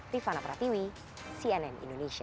rifana pratiwi cnn indonesia